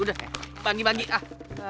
udah bangi bagi ah